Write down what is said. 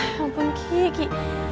ya ampun ki